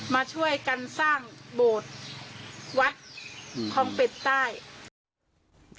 มาช่วยกันสร้างโบสถ์วัดคลองเป็ดใต้